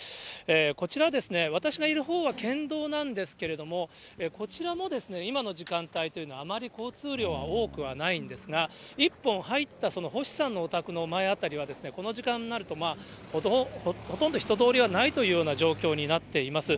こちら、私がいるほうは県道なんですけれども、こちらもですね、今の時間帯というのは、あまり交通量は多くはないんですが、一本入った、その星さんのお宅の前辺りは、この時間になると、ほとんど人通りはないというような状況になっています。